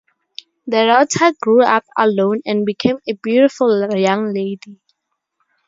The daughter grew up alone and became a beautiful young lady.